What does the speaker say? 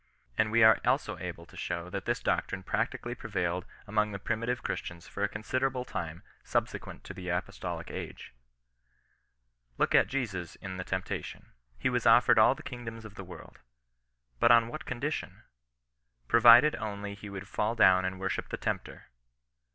And we are also able to show that this doctrine practically prevailed among the primitive Christians for a considerable time subsequent to the apostolic age. Look at Jesus in the temptation. He was offered all the kingdoms of the world. But on what condition ? Provided only he would fall down and worship the Tempter.